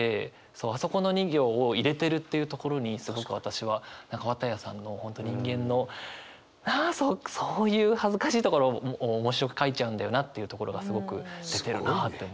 あそこの２行を入れてるっていうところにすごく私は綿矢さんの本当人間のそうそういう恥ずかしいところを面白く書いちゃうんだよなっていうところがすごく出てるなって思いましたね。